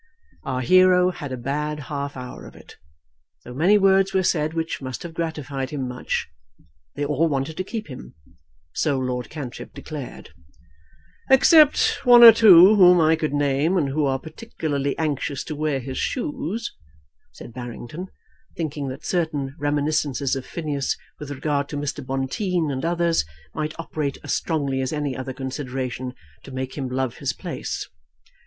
Our hero had a bad half hour of it, though many words were said which must have gratified him much. They all wanted to keep him, so Lord Cantrip declared, "except one or two whom I could name, and who are particularly anxious to wear his shoes," said Barrington, thinking that certain reminiscences of Phineas with regard to Mr. Bonteen and others might operate as strongly as any other consideration to make him love his place.